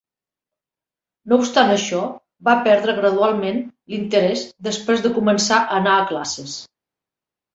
No obstant això, va perdre gradualment l'interès després de començar a anar a classes.